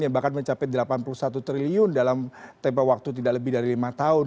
yang bahkan mencapai delapan puluh satu triliun dalam tempo waktu tidak lebih dari lima tahun